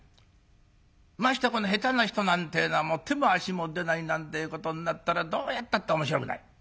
ましてや下手な人なんてえのは手も足も出ないなんてえことになったらどうやったって面白くない。